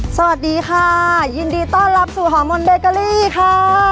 สวัสดีค่ะยินดีต้อนรับสู่หอมนเบเกอรี่ค่ะ